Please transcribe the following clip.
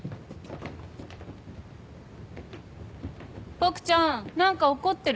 ボクちゃん何か怒ってる？